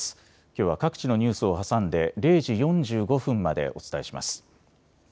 きょうは各地のニュースを挟んで０時４５分までお伝えします。